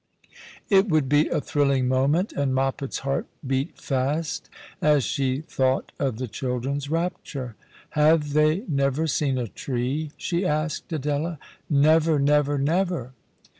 It would be a thrilling moment, and Moppet's heart beat fast as she thought of the children's rapture. " Have they never seen a tree ?" she asked Adela —" never, never, never